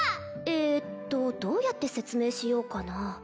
えっとどうやって説明しようかな